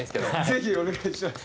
ぜひお願いします。